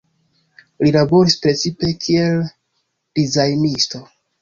Li laboris precipe kiel dizajnisto.